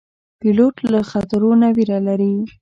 پیلوټ له خطرو نه ویره نه لري.